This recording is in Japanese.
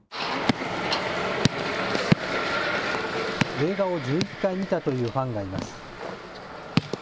映画を１１回見たというファンがいます。